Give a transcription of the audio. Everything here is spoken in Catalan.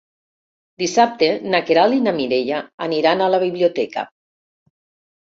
Dissabte na Queralt i na Mireia aniran a la biblioteca.